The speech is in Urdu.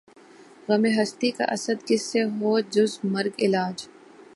غم ہستی کا اسدؔ کس سے ہو جز مرگ علاج